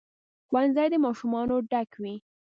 ښوونځي د ماشومانو ډک وي.